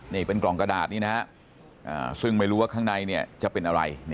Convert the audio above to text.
นี่เป็นกล่องกระดาษนี้นะฮะซึ่งไม่รู้ว่าข้างในจะเป็นอะไร